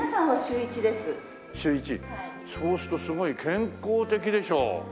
そうするとすごい健康的でしょ？